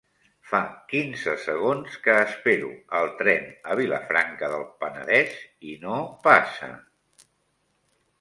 Fa quinze segons que espero el tren a Vilafranca del Penedès i no passa.